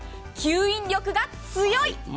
吸引力が強い。